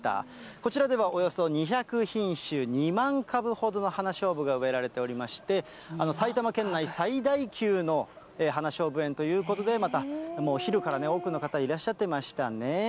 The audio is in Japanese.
こちらではおよそ２００品種、２万株ほどの花しょうぶが植えられておりまして、埼玉県内最大級の花しょうぶ園ということで、また、もうお昼から多くの方、いらっしゃってましたね。